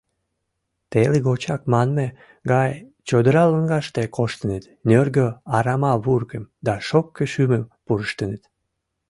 Телыгочак манме гай чодыра лоҥгаште коштыныт, нӧргӧ арама вургым да шопке шӱмым пурыштыныт.